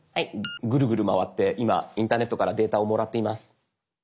グルグル回って今インターネットからデータをもらっています。